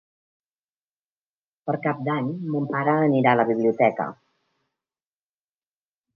Per Cap d'Any mon pare anirà a la biblioteca.